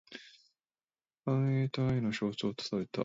繁栄と愛の象徴とされた。